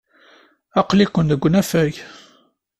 Aql-iken deg unafag.